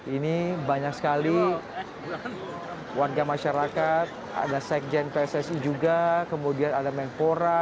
ini banyak sekali warga masyarakat ada sekjen pssi juga kemudian ada menpora